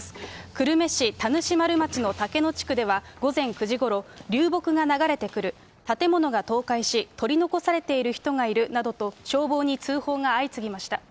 久留米市田主丸町のたけの地区では午前９時ごろ、流木が流れてくる、建物が倒壊し、取り残されている人がいるなどと消防に通報が相次ぎました。